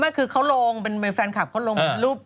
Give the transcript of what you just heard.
คือเขาลงเป็นแฟนคลับเขาลงเป็นรูป